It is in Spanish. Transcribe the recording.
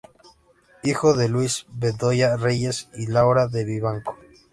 Hijo de Luis Bedoya Reyes y Laura de Vivanco.